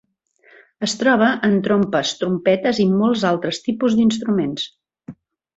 Es troba en trompes, trompetes i molts altres tipus d'instruments.